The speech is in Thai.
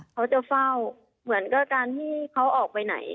เขาจะเฝ้าเหมือนกับการที่เขาออกไปไหน